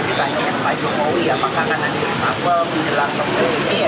pertanyaan pak jokowi apakah nanti di sabang di jelang atau di sini ya